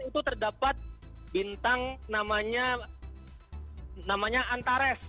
itu terdapat bintang namanya antares